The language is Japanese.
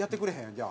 じゃあ。